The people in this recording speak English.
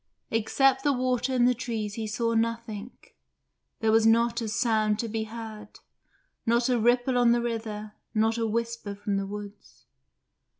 Except the water and the trees he saw nothing; there was not a sound to be heard, not a ripple on the river, not a whisper from the woods.